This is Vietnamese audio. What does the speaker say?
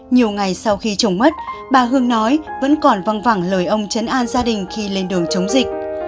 nhiều ngày sau khi chồng mất bà hương nói vẫn còn văng vảng lời ông chấn an gia đình khi lên đường chống dịch